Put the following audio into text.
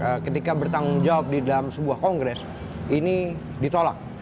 karena ketika bertanggung jawab di dalam sebuah kongres ini ditolak